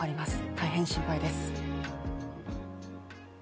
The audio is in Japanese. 大変心配です。